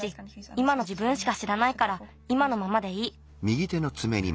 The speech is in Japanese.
いまのじぶんしかしらないからいまのままでいい。